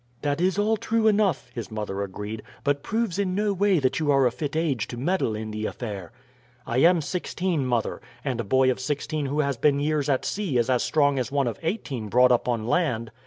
"That is all true enough," his mother agreed; "but proves in no way that you are a fit age to meddle in the affair." "I am sixteen, mother; and a boy of sixteen who has been years at sea is as strong as one of eighteen brought up on land.